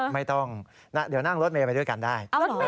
ไม่ต้องเดี๋ยวนั่งรถเมย์ไปด้วยกันได้